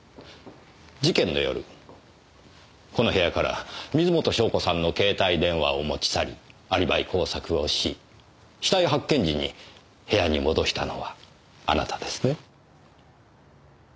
事件の夜この部屋から水元湘子さんの携帯電話を持ち去りアリバイ工作をし死体発見時に部屋に戻したのはあなたですね？